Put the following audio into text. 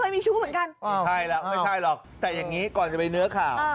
ไม่ใช่หรอกแต่อย่างนี้ก่อนจะไปเนื้อข่าว